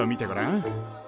ん？